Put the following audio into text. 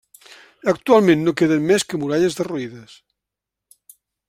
Actualment no queden més que muralles derruïdes.